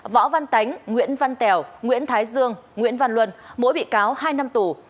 võ văn tánh nguyễn văn tèo nguyễn thái dương nguyễn văn luân mỗi bị cáo hai năm tù